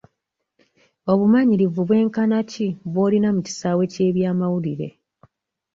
Obumanyirivu bwenkana ki bw'olina mu kisaawe ky'eby'amawulire?